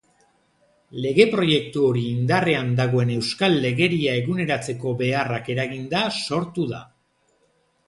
Lege-proiektu hori indarrean dagoen euskal legeria eguneratzeko beharrak eraginda sortu da.